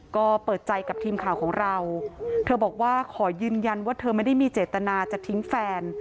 ก็เปิดใจกับทีมข่าวของเราเธอบอกว่าขอยืนยันว่าเธอไม่ได้มีเจตนาจะทิ้งแฟน